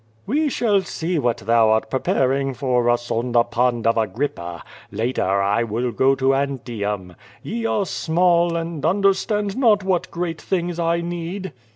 '*We shall see what thou art preparing for us on the pond of Agrippa. Later I will go to Antium. Ye are small and understand not what great things I need."